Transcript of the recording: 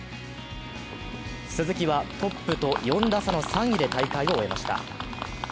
鈴木は、トップと４打差の３位で大会を終えました。